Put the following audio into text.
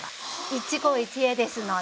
一期一会ですので。